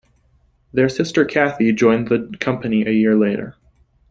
Their sister, Cathy, joined the company a year later.